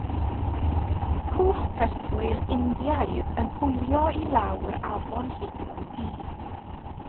Cwch preswyl Indiaidd yn hwylio i lawr afon heibio i dŷ.